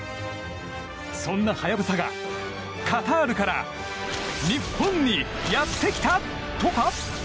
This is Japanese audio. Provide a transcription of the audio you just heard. そんなハヤブサがカタールから日本にやってきた、とか。